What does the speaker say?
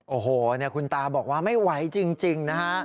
โอ้โหคุณตาบอกว่าไม่ไหวจริงนะฮะ